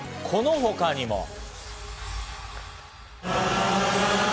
このほかにも。